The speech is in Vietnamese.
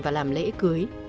và làm lễ cưới